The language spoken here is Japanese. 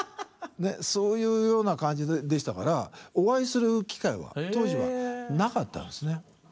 そういうような感じでしたからお会いする機会は当時はなかったんですね。